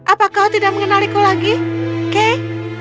apa kau tidak mengenaliku lagi kay